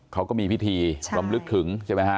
เขาก็มีพิธีรำลึกถึง